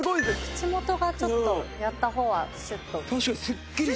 口元がちょっとやった方はシュッと。